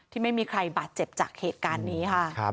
ไม่มีใครบาดเจ็บจากเหตุการณ์นี้ค่ะ